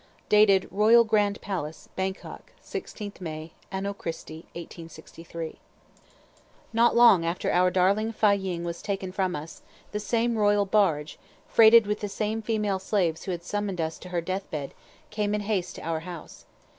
"Dated Royal Grand Palace, Bangkok, 16th May, Anno Christi 1863." Not long after our darling Fâ ying was taken from us, the same royal barge, freighted with the same female slaves who had summoned us to her death bed, came in haste to our house.